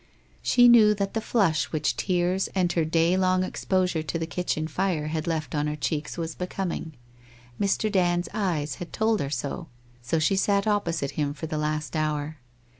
She knew that the flush which tears and her day long exposure to the kitchen fire had left on her cheeks was becoming. Mr. Band's eyes had told her so, as she sat opposite him for the last hour.